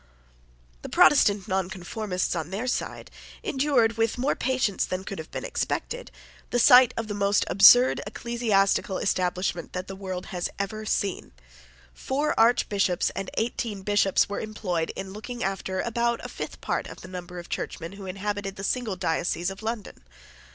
The Protestant Nonconformists, on their side, endured, with more patience than could have been expected, the sight of the most absurd ecclesiastical establishment that the world has ever seen. Four Archbishops and eighteen Bishops were employed in looking after about a fifth part of the number of churchmen who inhabited the single diocese of London.